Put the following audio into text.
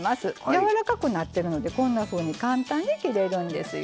やわらかくなってるのでこんなふうに簡単に切れるんですよ。